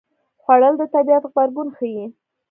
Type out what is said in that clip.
خوړل د طبیعت غبرګون ښيي